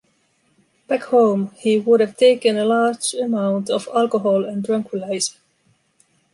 Back home, he would have taken a large amount of alcohol and tranquilizer.